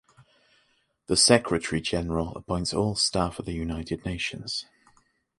The secretary-general appoints all staff at the United Nations.